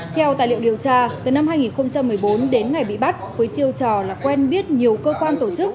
theo tài liệu điều tra từ năm hai nghìn một mươi bốn đến ngày bị bắt với chiêu trò là quen biết nhiều cơ quan tổ chức